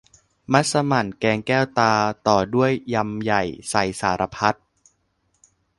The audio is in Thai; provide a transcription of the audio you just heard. มัสหมั่นแกงแก้วตา ต่อด้วยยำใหญ่ใส่สารพัด